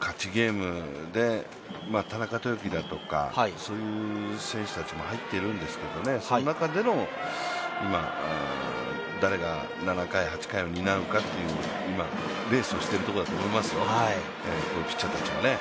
勝ちゲームで田中豊樹だとか、そういう選手たちも入っているんですけどその中での、誰が７回、８回を担うかという、今レースをしているところだと思いますよ、ピッチャーたちは。